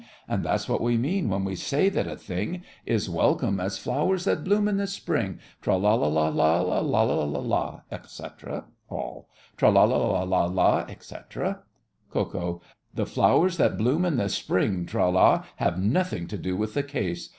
And that's what we mean when we say that a thing Is welcome as flowers that bloom in the spring. Tra la la la la la, etc. ALL. Tra la la la, etc. KO. The flowers that bloom in the spring, Tra la, Have nothing to do with the case.